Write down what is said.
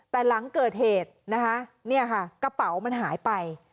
แต่หลังเกิดเหตุนะคะเนี่ยค่ะกระเป๋ามันหายไป